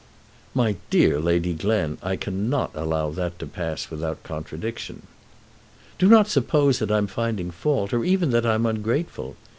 "My dear Lady Glen, I cannot allow that to pass without contradiction." "Do not suppose that I am finding fault, or even that I am ungrateful.